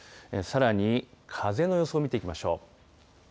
さらに風の予想を見ていきましょう。